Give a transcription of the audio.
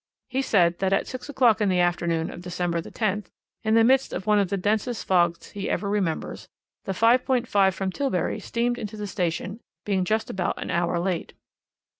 He said that at six o'clock in the afternoon of December the 10th, in the midst of one of the densest fogs he ever remembers, the 5.5 from Tilbury steamed into the station, being just about an hour late.